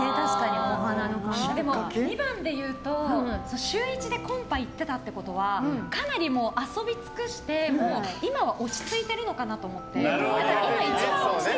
でも２番でいうと週１でコンパ行ってたってことはかなり遊びつくして、もう今は落ち着いているのかなと思って。